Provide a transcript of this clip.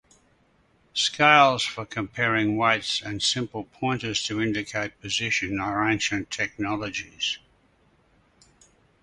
Scales for comparing weights and simple pointers to indicate position are ancient technologies.